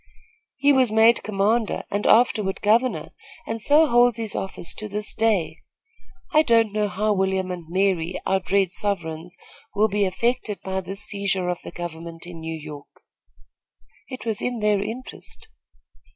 He was made commander and afterward governor, and so holds his office to this day. I don't know how William and Mary, our dread sovereigns, will be affected by this seizure of the government of New York." "It was in their interest."